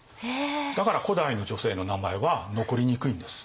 だから古代の女性の名前は残りにくいんです。